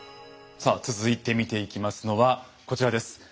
さあ続いて見ていきますのはこちらです。